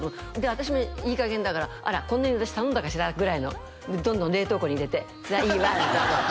私もいい加減だからこんなに私頼んだかしらぐらいのどんどん冷凍庫に入れてハハハあれ？